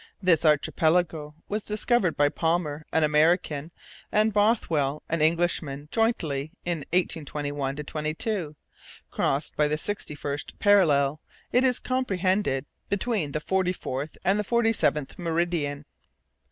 This archipelago was discovered by Palmer, an American, and Bothwell, an Englishman, jointly, in 1821 22. Crossed by the sixty first parallel, it is comprehended between the forty fourth and the forty seventh meridian.